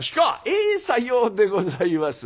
「ええさようでございます」。